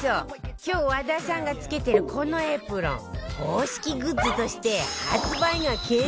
今日和田さんが着けてるこのエプロン公式グッズとして発売が決定